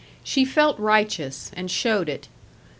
She felt righteous, and showed it.